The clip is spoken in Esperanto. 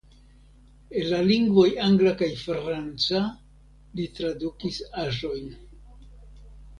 El la lingvoj angla kaj franca li tradukis aĵojn.